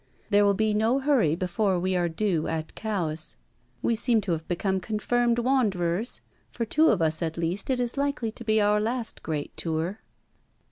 There will be no hurry before we are due at Cowes. We seem to have become confirmed wanderers; for two of us at least it is likely to be our last great tour.'